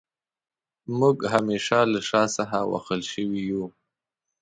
موږ همېشه له شا څخه وهل شوي يو